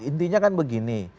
intinya kan begini